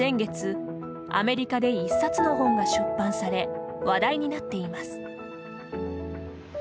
先月、アメリカで一冊の本が出版され話題になっています。